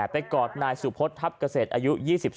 ไปกอดนายสุพธิ์ทัพเกษตรอายุ๒๓